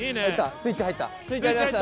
スイッチ入った。